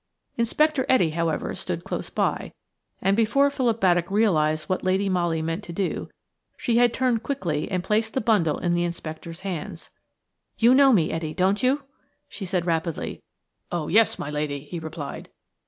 Inspector Etty, however, stood close by, and before Philip Baddock realised what Lady Molly meant to do, she had turned quickly and placed the bundle in the inspector's hands. "You know me, Etty, don't you?" she said rapidly. "Oh, yes, my lady!" he replied.